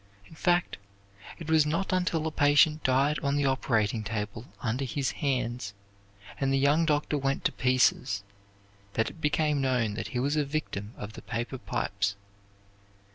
In fact, it was not until a patient died on the operating table under his hands, and the young doctor went to pieces, that it became known that he was a victim of the paper pipes.